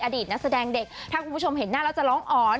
อดีตนักแสดงด็กถ้าคุณผู้ชมเห็นน่าเราจะล้องหรอ